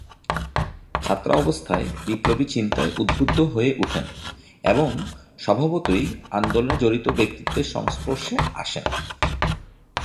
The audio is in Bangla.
ছাত্রাবস্থায় বিপ্লবী চিন্তায় উদ্বুদ্ধ হয়ে ওঠেন এবং স্বভাবতই আন্দোলনে জড়িত ব্যক্তিত্বের সংস্পর্শে আসেন।